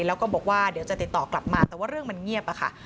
แล้วก็บอกว่าเดี๋ยวจะติดต่อกลับมาแต่ว่าเรื่องมันเงียบอะค่ะ